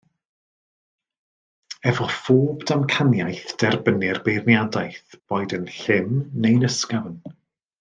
Efo phob damcaniaeth derbynnir beirniadaeth, boed yn llym neu'n ysgafn